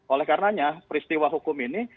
oleh karenanya peristiwa hukum ini